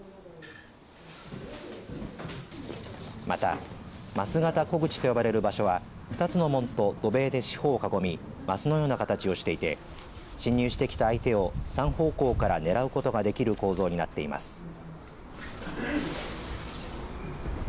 また枡形虎口と呼ばれる場所は２つの門と土塀で四方を囲みますのような形をしていて侵入してきた相手を３方向から狙うことができる構造になっています。